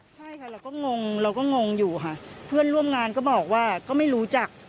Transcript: ใช่ค่ะเราก็งงเราก็งงอยู่ค่ะเพื่อนร่วมงานก็บอกว่าก็ไม่รู้จัก